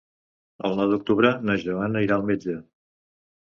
El nou d'octubre na Joana irà al metge.